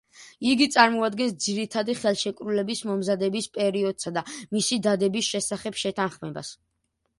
იგი წარმოადგენს ძირითადი ხელშეკრულების მომზადების პერიოდსა და მისი დადების შესახებ შეთანხმებას.